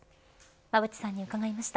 馬渕さんに伺いました。